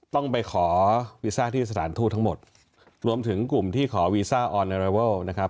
ต้องไปขอวีซ่าที่สถานทูตทั้งหมดรวมถึงกลุ่มที่ขอวีซ่าออนเรเวิลนะครับ